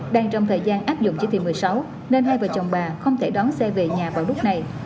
đang trong thời gian áp dụng chỉ thị một mươi sáu nên hai vợ chồng bà không thể đón xe về nhà vào lúc này